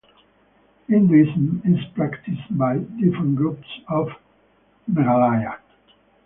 Hinduism is practiced by different groups of Meghalaya.